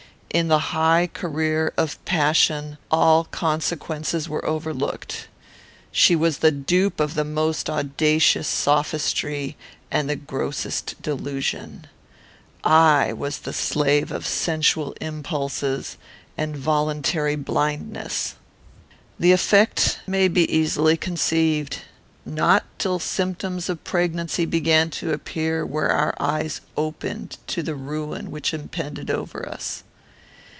In the high career of passion all consequences were overlooked. She was the dupe of the most audacious sophistry and the grossest delusion. I was the slave of sensual impulses and voluntary blindness. The effect may be easily conceived. Not till symptoms of pregnancy began to appear were our eyes opened to the ruin which impended over us.